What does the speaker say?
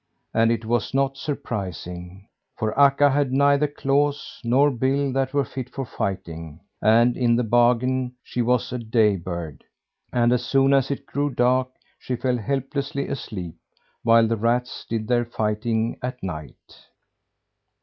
And it was not surprising, for Akka had neither claws nor bill that were fit for fighting; and, in the bargain, she was a day bird, and as soon as it grew dark she fell helplessly asleep, while the rats did their fighting at night.